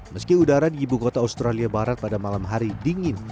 meski udara di ibu kota australia barat pada malam hari dingin